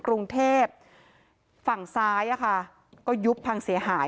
กรุงเทพฝั่งซ้ายก็ยุบพังเสียหาย